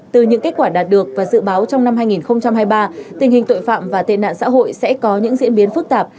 từ những kết quả đạt được và dự báo trong năm hai nghìn hai mươi ba tình hình tội phạm và tên nạn xã hội sẽ có những diễn biến phức tạp